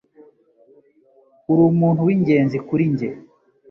Urumuntu wingenzi kuri njye.